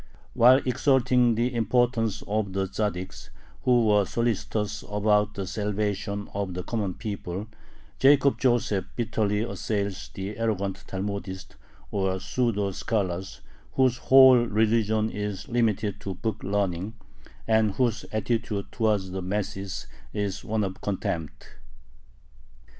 While exalting the importance of the Tzaddiks, who were solicitous about the salvation of the common people, Jacob Joseph bitterly assails the arrogant Talmudists, or "pseudo scholars," whose whole religion is limited to book learning, and whose attitude towards the masses is one of contempt.